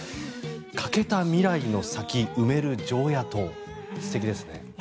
欠けた未来の先埋める常夜灯素敵ですね。